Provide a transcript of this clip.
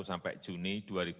sampai juni dua ribu dua puluh